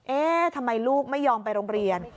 เอ๊ะทำไมลูกไม่ยอมไปโรงเรียน